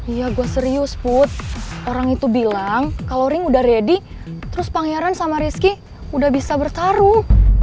iya gue serius put orang itu bilang kalo ring udah ready terus pangeran sama rizky udah bisa bertaruh